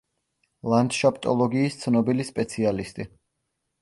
ლანდშაფტოლოგიის ცნობილი სპეციალისტი.